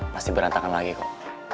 pasti berantakan lagi kok